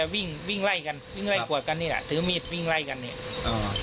วิ่งวิ่งไล่กันวิ่งไล่กวดกันนี่แหละถือมีดวิ่งไล่กันเนี่ย